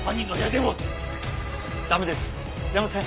出ません。